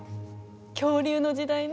恐竜の時代ね。